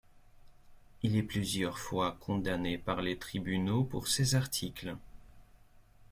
Il est plusieurs fois condamné par les tribunaux pour ses articles.